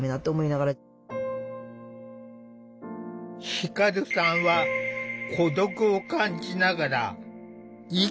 輝さんは孤独を感じながら生きてきた。